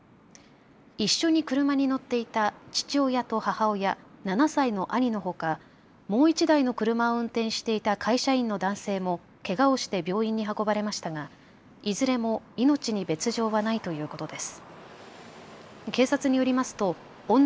一緒に車に乗っていた父親と母親、７歳の兄のほか、もう１台の車を運転していた会社員の男性もけがをして病院に運ばれましたがいずれも命に別状はないということです。